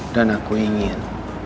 dan aku ingin